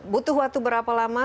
butuh waktu berapa lama